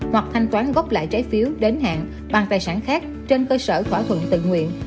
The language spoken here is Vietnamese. hoặc thanh toán gốc lại trái phiếu đến hạn bằng tài sản khác trên cơ sở thỏa thuận tự nguyện